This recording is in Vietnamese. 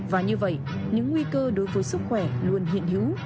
và như vậy những nguy cơ đối với sức khỏe luôn hiện hữu